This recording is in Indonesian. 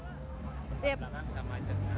depan belakang sama aja